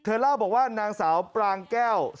เล่าบอกว่านางสาวปรางแก้ว